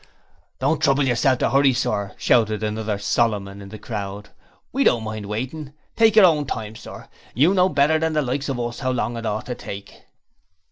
'Don't you trouble to 'urry yourself, Sir,' shouted another Solomon in the crowd. 'We don't mind waiting. Take your own time, Sir. You know better than the likes of us 'ow long it ought to take.'